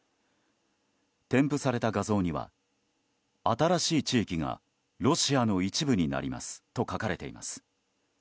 添付された画像には「新しい地域がロシアの一部になります」と書かれています。